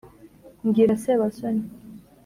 Mbwira Sebasoni